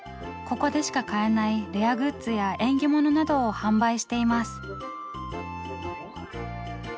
ここでしか買えないレアグッズや縁起物などを販売しています。